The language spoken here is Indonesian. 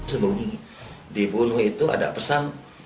sebelum dibunuh itu ada pesan